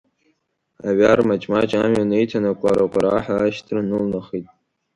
Аҩар маҷ-маҷ амҩа неиҭан, акәара-кәараҳәа ашьҭра нылнахит.